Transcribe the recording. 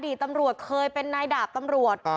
ตำรวจเคยเป็นนายดาบตำรวจ